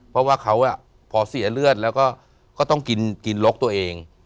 เพราะว่าเขาพอเสียเลือดแล้วก็ต้องกินลกตัวเอง